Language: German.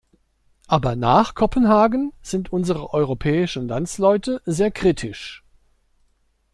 Aber nach Kopenhagen sind unsere europäischen Landsleute sehr kritisch.